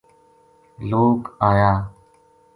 لوک اَیا